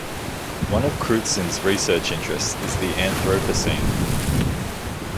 One of Crutzen's research interests is the Anthropocene.